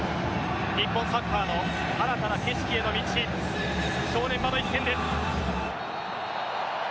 日本サッカーの新たな景色への道正念場の一戦です。